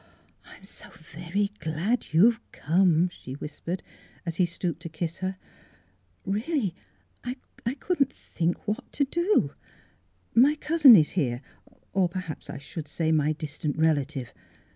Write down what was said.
" I'm so very glad you've come," she whispered, as he stooped to kiss her. " Really, I couldn't think — what to do. My cousin is here — or perhaps I should say, my distant relative.